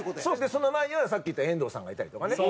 その前にはさっき言った遠藤さんがいたりとかね。